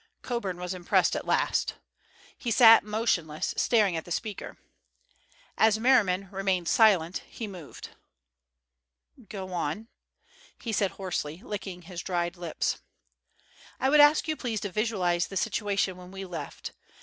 Coburn was impressed at last. He sat motionless, staring at the speaker. As Merriman remained silent, he moved. "Go on," he said hoarsely, licking his dry lips. "I would ask you please to visualize the situation when we left.